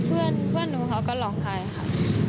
ก็เพื่อนหนูเขาก็ลองไขค่ะ